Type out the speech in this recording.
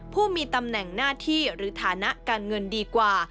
ผู้มีตำแหน่งหน้าที่หรือฐานะการเงินดีกว่า